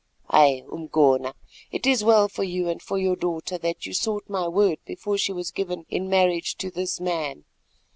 Ay, Umgona, it is well for you and for your daughter that you sought my word before she was given in marriage to this man.